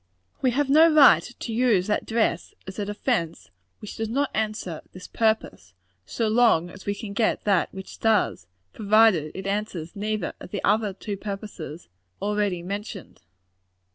We have no right to use that dress as a DEFENCE which does not answer this purpose, so long as we can get that which does; provided it answers neither of the other two purposes already mentioned.